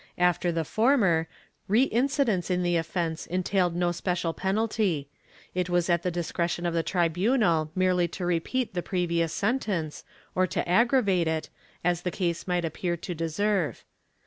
After the former, reincidence in the offence entailed no special penalty ; it was at the discretion of the tribunal merely to repeat the previous sentence, or to aggravate it, as the case might appear to deserve.